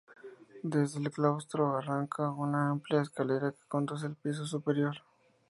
Desde el claustro arranca una amplia escalera que conduce al piso superior.